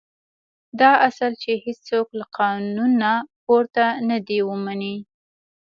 دا اصل چې هېڅوک له قانونه پورته نه دی ومني.